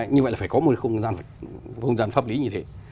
như vậy là phải có một không gian pháp lý như thế